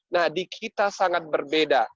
nah di kita sangat berbeda